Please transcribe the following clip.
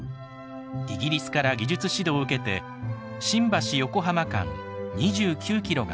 イギリスから技術指導を受けて新橋横浜間２９キロが開通しました。